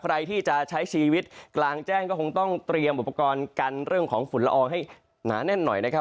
ใครที่จะใช้ชีวิตกลางแจ้งก็คงต้องเตรียมอุปกรณ์กันเรื่องของฝุ่นละอองให้หนาแน่นหน่อยนะครับ